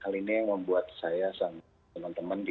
hal ini yang membuat saya sama teman teman di